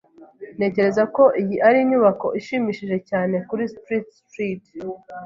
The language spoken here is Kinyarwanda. Ntekereza ko iyi ari inyubako ishimishije cyane. kuri Street Street .